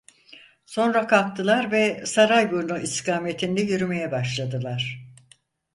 Sonra kalktılar ve Sarayburnu istikametinde yürümeye başladılar.